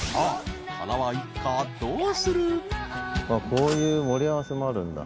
こういう盛り合わせもあるんだ。